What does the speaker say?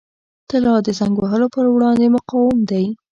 طلا د زنګ وهلو پر وړاندې مقاوم دی.